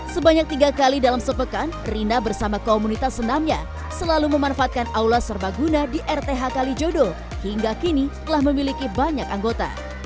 sebanyak tiga kali dalam sepekan rina bersama komunitas senamnya selalu memanfaatkan aula serbaguna di rth kalijodo hingga kini telah memiliki banyak anggota